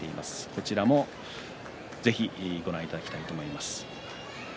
こちらもぜひご覧いただきたいと思います。